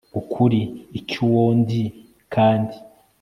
Uri iki uwo ni nde kandi